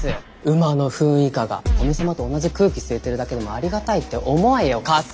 馬のフン以下が古見様と同じ空気吸えてるだけでもありがたいって思えよカス。